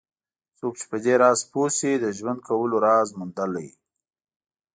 څوک چې په دې راز پوه شي د ژوند کولو راز موندلی.